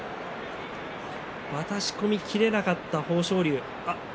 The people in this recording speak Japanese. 渡し込みきれなかった豊昇龍。